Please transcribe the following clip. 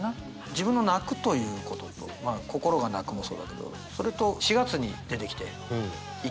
自分の泣くということとまあ心が泣くもそうだけどそれと４月に出てきて１か月でもう五月病だよね。